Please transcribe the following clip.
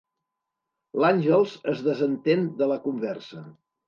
L'Àngels es desentén de la conversa.